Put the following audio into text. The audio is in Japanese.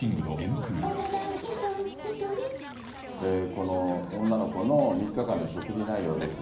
この女の子の３日間の食事内容ですが。